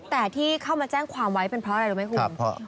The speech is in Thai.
แต่ที่เข้ามาแจ้งความไว้เป็นเพราะอะไรรู้ไหมคุณ